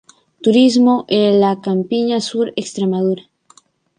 Turismo e la Campiña Sur Extremadura